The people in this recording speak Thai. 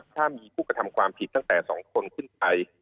ถ้ามีผู้กระทำความผิดตั้งแต่๒คนขึ้นไป